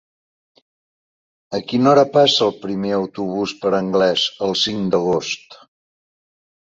A quina hora passa el primer autobús per Anglès el cinc d'agost?